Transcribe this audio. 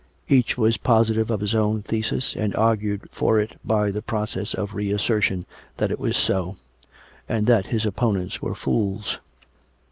Each was positive of his own thesis, and argued for it by the process of re assertion that it was so, and that his opponents were fools.